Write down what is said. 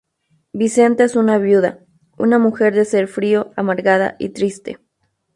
Vicenta es una viuda, una mujer de ser frío, amargada y triste.